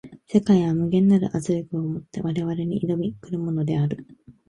世界は無限なる圧力を以て我々に臨み来るものである。